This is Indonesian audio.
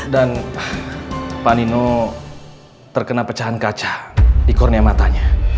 dan pak nino terkena pecahan kaca di kornea matanya